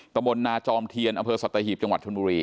ตะบนนาจอมเทียนอำเภอสัตหีบจังหวัดชนบุรี